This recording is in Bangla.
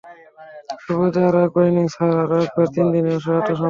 সুবাদে আরও একবার ইনিংসে হার, আরও একবার তিন দিনেই অসহায় আত্মসমর্পণ।